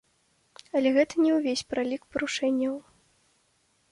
Але гэта не ўвесь пералік парушэнняў.